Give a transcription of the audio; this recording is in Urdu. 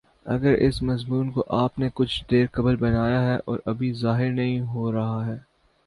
اگر اس مضمون کو آپ نے کچھ دیر قبل بنایا ہے اور ابھی ظاہر نہیں ہو رہا ہے